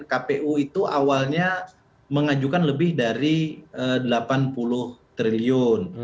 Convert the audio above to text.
kpu itu awalnya mengajukan lebih dari delapan puluh triliun